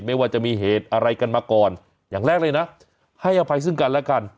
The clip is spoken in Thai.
ไม่ว่าจะมีเหตุอะไรกันมาก่อนอย่างแรกเลยนะให้อภัยซึ่งกันและกัน